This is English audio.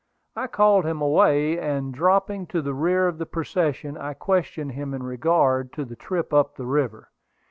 I called him away, and dropping to the rear of the procession, I questioned him in regard to the trip up the river.